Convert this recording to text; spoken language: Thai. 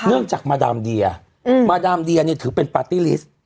จากมาดามเดียมาดามเดียเนี่ยถือเป็นปาร์ตี้ลิสต์